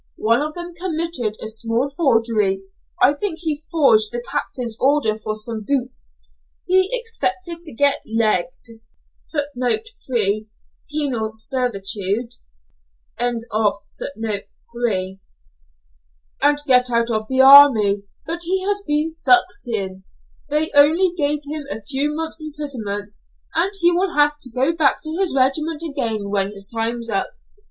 "One of them committed a small forgery, I think he forged the captain's order for some boots. He expected to get 'legged,' and get out of the army, but he has been sucked in. They only gave him a few months' imprisonment, and he will have to go back to his regiment again when his time's up.